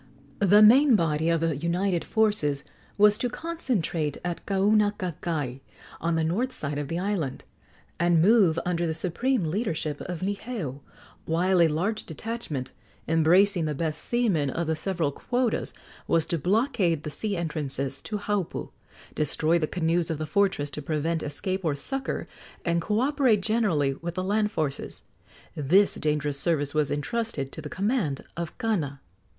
The main body of the united forces was to concentrate at Kaunakakai, on the north side of the island, and move under the supreme leadership of Niheu, while a large detachment, embracing the best seamen of the several quotas, was to blockade the sea entrances to Haupu, destroy the canoes of the fortress to prevent escape or succor, and co operate generally with the land forces. This dangerous service was entrusted to the command of Kana.